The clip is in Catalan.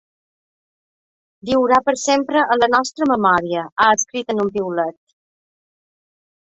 Viurà per sempre en la nostra memòria, ha escrit en un piulet.